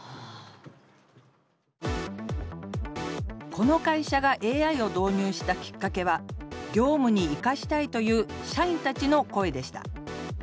この会社がＡＩを導入したきっかけは業務に生かしたいという社員たちの声でした。